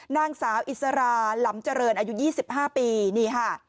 นางสาวอิสราลำเจริญอายุ๒๕ปี